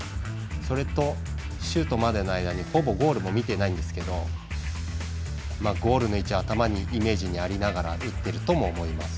それと、シュートまでの間にほぼゴールも見てないんですけどゴールの位置は頭にイメージにありながら打っているとも思います。